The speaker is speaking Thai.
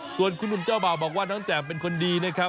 ส่วนคุณหนุ่มเจ้าบ่าวบอกว่าน้องแจ่มเป็นคนดีนะครับ